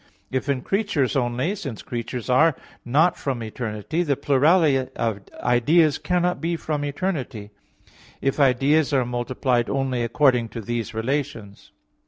If in creatures only, since creatures are not from eternity, the plurality of ideas cannot be from eternity, if ideas are multiplied only according to these relations.